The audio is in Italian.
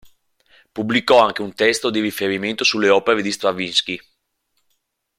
Pubblicò anche un testo di riferimento sulle opere di Stravinsky.